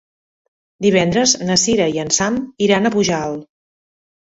Divendres na Cira i en Sam iran a Pujalt.